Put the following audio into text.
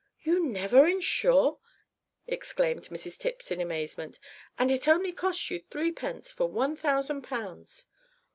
"You never insure!" exclaimed Mrs Tipps in amazement; "and it only costs you threepence for one thousand pounds."